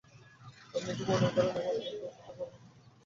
আপনি কি মনে করেন আমরা আবার বন্ধু হতে পারি, মিস ক্রস?